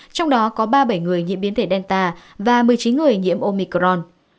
trong đó có ba mươi bảy người nhiễm biến thể delta và một mươi chín người nhiễm omicron